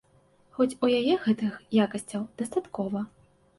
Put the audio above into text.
Хоць у яе гэтых якасцяў дастаткова.